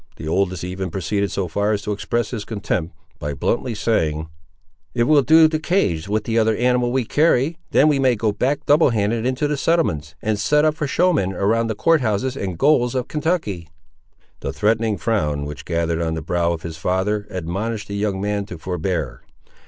The oldest even proceeded so far as to express his contempt, by bluntly saying— "It will do to cage with the other animal we carry; then we may go back double handed into the settlements, and set up for showmen, around the court houses and gaols of Kentucky." The threatening frown, which gathered on the brow of his father, admonished the young man to forbear.